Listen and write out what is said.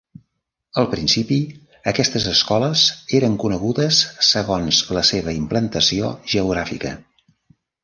Al principi, aquestes escoles eren conegudes segons la seva implantació geogràfica.